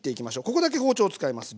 ここだけ包丁を使います。